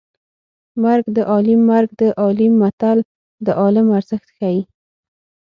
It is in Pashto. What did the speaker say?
مرګ د عالیم مرګ د عالیم متل د عالم ارزښت ښيي